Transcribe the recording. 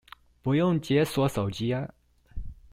不用解鎖手機啊